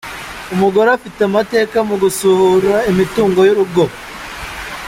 Umugore afite amateka mu gusahura imitungo y’urugo.